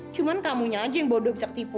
cuma tamunya aja yang bodoh bisa ketipu